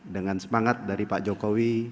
dengan semangat dari pak jokowi